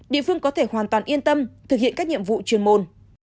địa phương có thể hoàn toàn yên tâm thực hiện các nhiệm vụ chuyên môn